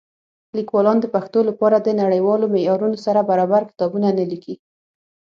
لیکوالان د پښتو لپاره د نړیوالو معیارونو سره برابر کتابونه نه لیکي.